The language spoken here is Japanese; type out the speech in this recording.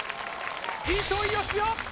糸井嘉男